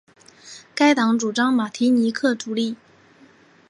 该党主张马提尼克独立。